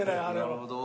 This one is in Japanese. なるほど。